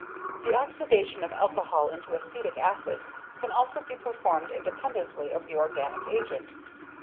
The oxidation of alcohol into acetic acid can also be performed independently of the organic agent.